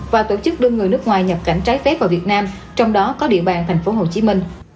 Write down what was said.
và tổ chức đưa người nước ngoài nhập cảnh trái phép vào việt nam trong đó có địa bàn tp hcm